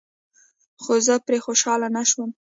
خو زه پرې خوشحاله نشوم.